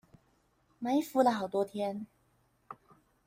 埋伏了好多天